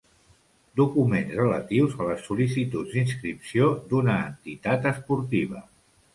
Documents relatius a les sol·licituds d'inscripció d'una entitat esportiva.